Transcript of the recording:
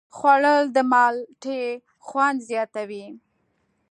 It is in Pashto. خوړل د مالټې خوند زیاتوي